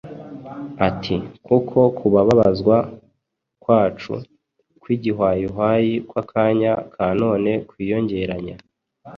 ati: ” Kuko kubabazwa kwacu kw’igihwayihwayi kw’akanya ka none kwiyongeranya,